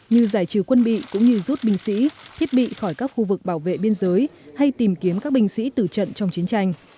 như giải trừ quân bị cũng như rút binh sĩ thiết bị khỏi các khu vực bảo vệ biên giới hay tìm kiếm các binh sĩ tử trận trong chiến tranh